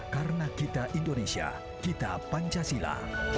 karena kita indonesia kita pancasila